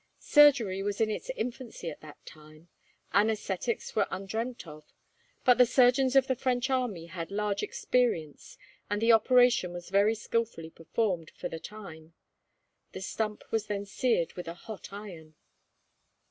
Surgery was in its infancy at that time. Anesthetics were undreamt of; but the surgeons of the French army had large experience, and the operation was very skilfully performed, for the time. The stump was then seared with a hot iron.